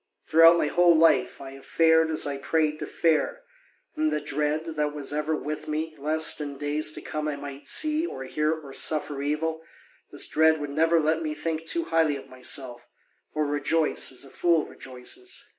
Throughout my whole life I have fared as I prayed to fare, and the dread that was ever with me lest in days to come I might see or hear or suffer evil, this dread would never let me think too highly of myself, or rejoice as a fool rejoices.